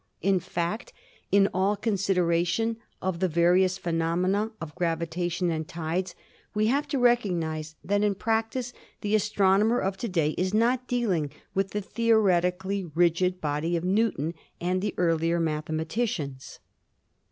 In fact, in all consideration of the various phenomena of gravitation and tides we have to recognise that in practice the astronomer of to day is not dealing with the theoretically rigid body of Newton and the earlier mathematicians.